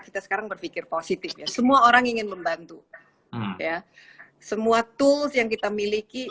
kita sekarang berpikir positif ya semua orang ingin membantu ya semua tools yang kita miliki